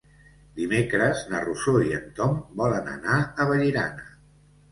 Dimecres na Rosó i en Tom volen anar a Vallirana.